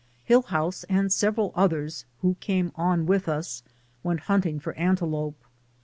Hillhouse, and several others, who came on with us, went hunting for antelope.